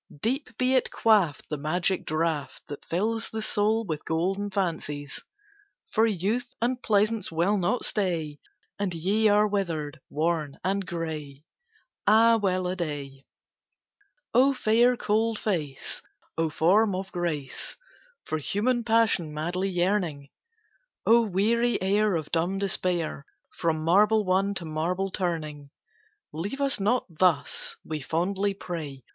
Deep be it quaffed, the magic draught That fills the soul with golden fancies! For Youth and Pleasance will not stay, And ye are withered, worn, and gray. Ah, well a day! O fair cold face! O form of grace, For human passion madly yearning! O weary air of dumb despair, From marble won, to marble turning! "Leave us not thus!" we fondly pray.